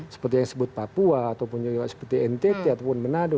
seperti yang disebut papua atau seperti entity atau pun menado